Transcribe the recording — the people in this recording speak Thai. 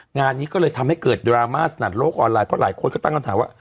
งานนี้ก็เลยทำให้เกิดดราม่าสนัดโลกออนไลน์เพราะหลายคนก็ตั้งคำถามว่า